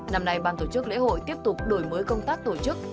năm nay ban tổ chức lễ hội tiếp tục đổi mới công tác tổ chức